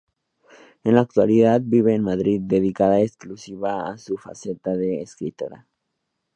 En la actualidad vive en Madrid, dedicada en exclusiva a su faceta de escritora.